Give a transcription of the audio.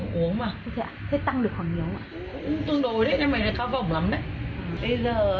nhưng mà nó cao vỏng lắm đấy